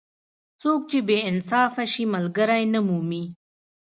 څوک چې بې انصافه شي؛ ملګری نه مومي.